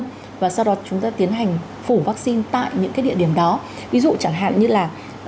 khách và sau đó chúng ta tiến hành phủ vắc xin tại những cái địa điểm đó ví dụ chẳng hạn như là